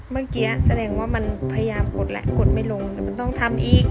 เมื่อกี้แสดงว่ามันพยายามกดแหละกดไม่ลงแต่มันต้องทำอีก